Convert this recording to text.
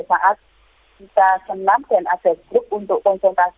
ya itu pada saat kita senam dan ada grup untuk konsultasi di situ